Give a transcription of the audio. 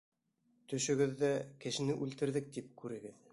Төшөгөҙҙә, кешене үлтерҙек, тип күрегеҙ.